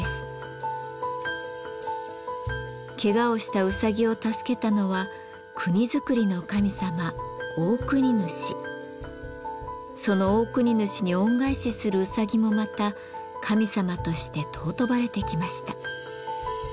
ケガをしたうさぎを助けたのは国づくりの神様そのオオクニヌシに恩返しするうさぎもまた神様として尊ばれてきました。